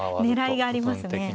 狙いがありますね。